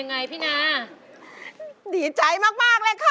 ทำไมถึงดีใจมากเลยค่ะ